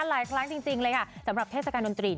หลายครั้งจริงเลยค่ะสำหรับเทศกาลดนตรี